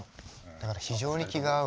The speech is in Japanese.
だから非常に気が合う。